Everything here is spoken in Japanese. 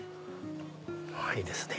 いいですね。